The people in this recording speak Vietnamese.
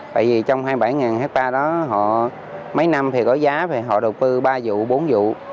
bởi vì trong hai mươi bảy hectare đó mấy năm thì có giá thì họ đầu tư ba vụ bốn vụ